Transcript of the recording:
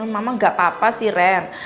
mama gak apa apa sih ren